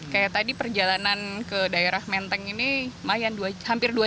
kayak tadi perjalanan ke daerah menteng ini hampir dua jam